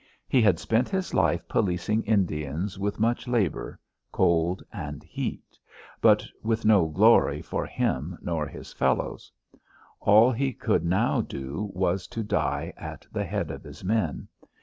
He had spent his life policing Indians with much labour, cold and heat, but with no glory for him nor his fellows. All he now could do was to die at the head of his men.